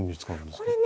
これね